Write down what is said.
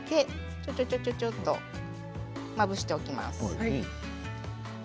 ちょちょちょちょっとまぶしておきます。